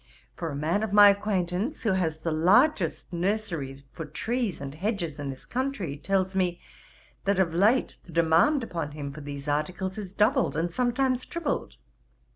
For a man of my acquaintance, who has the largest nursery for trees and hedges in this country, tells me, that of late the demand upon him for these articles is doubled, and sometimes tripled.